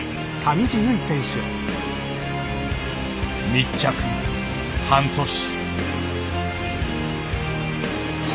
密着半年。